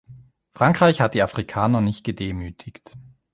Frankreich hat die Afrikaner nicht gedemütigt.